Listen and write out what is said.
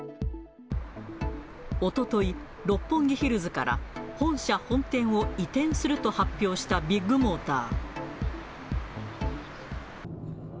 おととい、六本木ヒルズから本社本店を移転すると発表したビッグモーター。